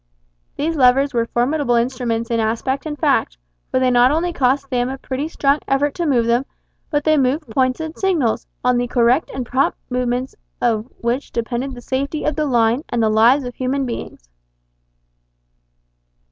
These levers were formidable instruments in aspect and in fact, for they not only cost Sam a pretty strong effort to move them, but they moved points and signals, on the correct and prompt movements of which depended the safety of the line, and the lives of human beings.